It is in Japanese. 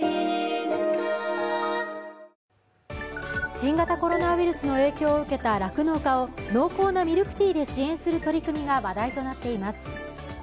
新型コロナウイルスの影響を受けた酪農家を濃厚なミルクティーで支援する取り組みが話題となっています。